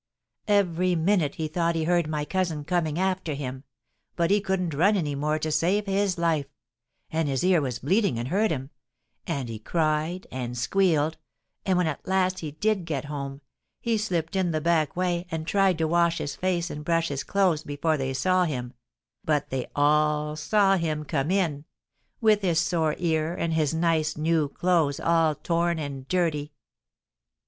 Every minute he thought he heard my cousin coming after him, but he couldn't run any more to save his life, and his ear was bleeding and hurt him, and he cried and squealed, and when at last he did get home he slipped in the back way and tried to wash his face and brush his clothes before they saw him, but they all saw him come in, with his sore ear and his nice, new clothes all torn and dirty.